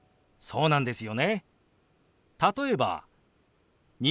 そうなんですよね。